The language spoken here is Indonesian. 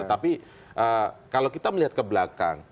tapi kalau kita melihat ke belakang